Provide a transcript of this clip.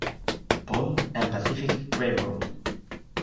Paul and Pacific Railroad.